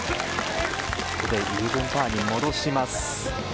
ここでイーブンパーに戻します。